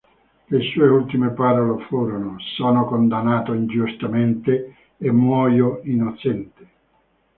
Le sue ultime parole furono: "Sono condannato ingiustamente, e muoio innocente.